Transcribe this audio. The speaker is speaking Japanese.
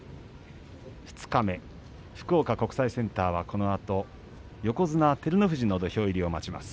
二日目福岡国際センターは、このあと横綱、照ノ富士の土俵入りを待ちます。